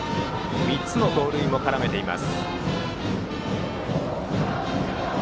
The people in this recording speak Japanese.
３つの盗塁も絡めています。